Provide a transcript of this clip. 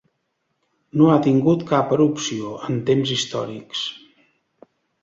No ha tingut cap erupció en temps històrics.